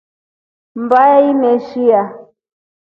Mbaya imeshiya.